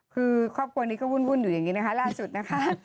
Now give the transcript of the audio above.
คือครอบครัวนี้ก็วุ่นอยู่อย่างนี้นะคะล่าสุดนะคะ